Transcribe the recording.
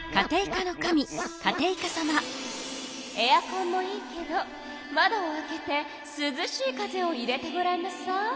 エアコンもいいけど窓を開けてすずしい風を入れてごらんなさい。